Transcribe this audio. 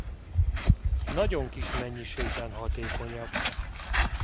Nagyon kis mennyiségben hatékonyak.